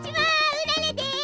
うららです！